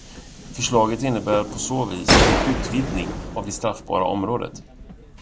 Förslaget innebär på så vis en utvidgning av det straffbara området.